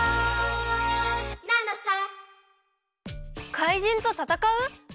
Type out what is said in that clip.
かいじんとたたかう！？